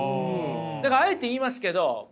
だからあえて言いますけど小林さん。